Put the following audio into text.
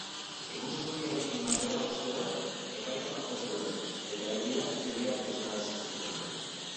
Egunsentiarekin batera, ostera, ekaitzak jo zuen eta euriak kideak esnarazi zituen.